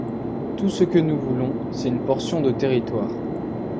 Tout ce que nous voulons, c'est une portion de territoire.